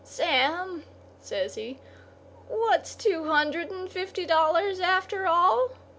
"Sam," says he, "what's two hundred and fifty dollars, after all?